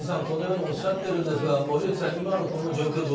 このようにおっしゃってますが森内さん、今のこの状況